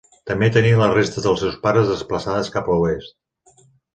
També tenia les restes dels seus pares desplaçades cap a l'oest.